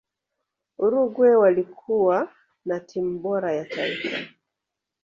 uruguay walikuwa na timu bora ya taifa